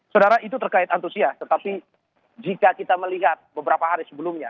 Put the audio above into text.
saudara itu terkait antusias tetapi jika kita melihat beberapa hari sebelumnya